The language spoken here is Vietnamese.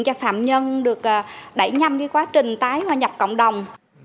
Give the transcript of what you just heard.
cho phạm nhân được đẩy nhanh quá trình tái hòa nhập cộng đồng